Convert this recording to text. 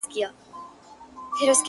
تا ولې د وطن ځمکه لمده کړله په وينو؟